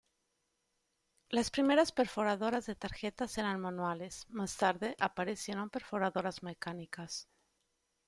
Las primeras perforadoras de tarjetas eran manuales, más tarde aparecieron perforadoras mecánicas.